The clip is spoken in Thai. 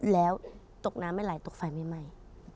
แล้วตกน้ำไม่ไหลตกไฟไม่ไหม้